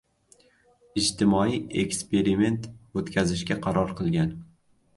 Ijtimoiy eksperiment o‘tkazishga qaror qilgan